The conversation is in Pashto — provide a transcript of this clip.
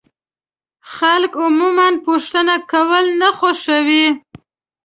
خلک عموما پوښتنه کول نه خوښوي.